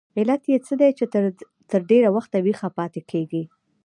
علت یې څه دی چې تر ډېره وخته ویښه پاتې کیږي؟